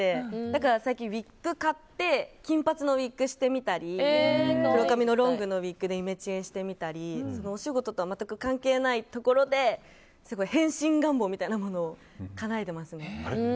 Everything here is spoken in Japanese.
だから、最近ウィッグを買って金髪のウィッグしてみたり黒髪のロングのウィッグでイメチェンしてみたりお仕事とは全く関係ないところで変身願望みたいなものをかなえてますね。